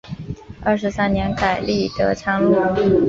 二十三年改隶德昌路。